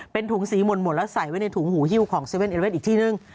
เป็นถุงสีหมดแล้วใส่ไว้ในถุงหูฮิ้วของ๗๑๑อีกที่นึง